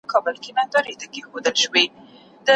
کرۍ ورځ یې مزل کړی وو دمه سو